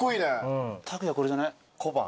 卓弥これじゃない？